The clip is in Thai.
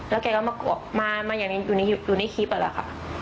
แล้วแกก็มาอย่างอยู่ในคลิปนี่แหละครับ